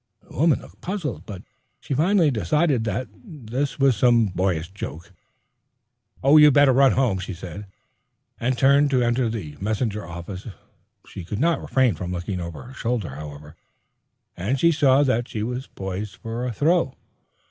The woman looked puzzled, but she finally decided that this was some boyish joke. "You'd better run home," she said, and turned to enter the messenger office. She could not refrain from looking over her shoulder, however, and she saw that he was poised for a throw.